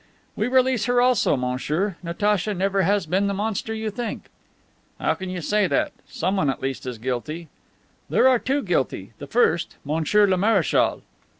"We release her also, monsieur. Natacha never has been the monster that you think." "How can you say that? Someone at least is guilty." "There are two guilty. The first, Monsieur le Marechal."